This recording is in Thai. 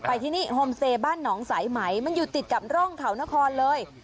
ที่นี่โฮมเซบ้านหนองสายไหมมันอยู่ติดกับร่องเขานครเลย